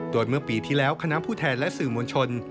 โดยเมื่อปีที่แล้วคณะผู้แทนและสื่อมวลชน